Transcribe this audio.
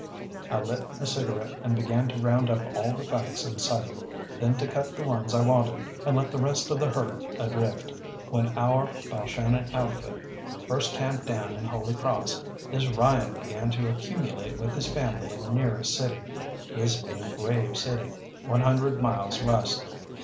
I lit a cigarette and began to round up all the facts in sight, then to cut the ones I wanted, and let the rest of the herd adrift. When our Balshannon outfit first camped down in Holy Cross, this Ryan began to accumulate with his family in the nearest city this being Grave City one hundred miles west.